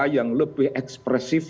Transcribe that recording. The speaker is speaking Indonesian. yang lebih ekspresif